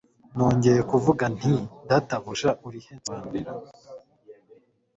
Nongeye kuvuga nti Databuja urihe nsobanurira